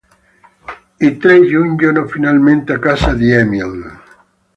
I tre giungono finalmente a casa di Emil.